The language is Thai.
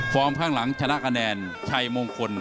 ข้างหลังชนะคะแนนชัยมงคล